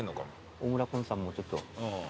大村崑さんもちょっと。